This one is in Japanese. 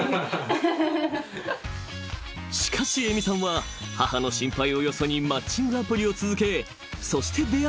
［しかしエミさんは母の心配をよそにマッチングアプリを続けそして出会ったのが］